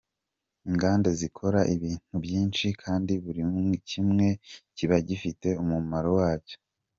Inganda zikora ibintu byinshi kandi buri kimwe kiba gifite umumaro wacyo.